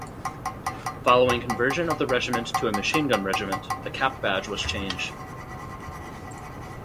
Following conversion of the Regiment to a machine-gun regiment, the cap-badge was changed.